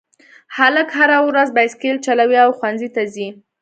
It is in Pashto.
هلک هره ورځ بایسکل چلوي او ښوونځي ته ځي